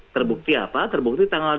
terbukti apa terbukti tanggal dua puluh enam